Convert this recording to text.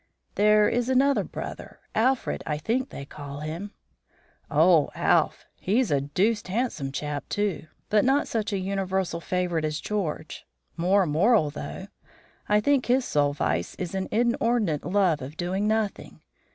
"There is another brother Alfred, I think they call him." "Oh, Alph! He's a deuced handsome chap, too, but not such a universal favourite as George. More moral though. I think his sole vice is an inordinate love of doing nothing.